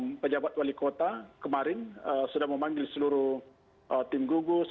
ee pejabat wali kota kemarin ee sudah memanggil seluruh ee tim gugus